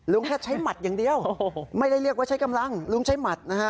แค่ใช้หมัดอย่างเดียวไม่ได้เรียกว่าใช้กำลังลุงใช้หมัดนะฮะ